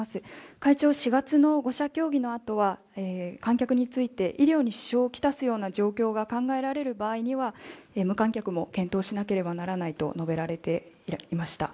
会長、４月の５者協議のあとは、観客について、医療に支障を来すような状況が考えられる場合には、無観客も検討しなければならないと述べられていました。